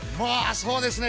そうですね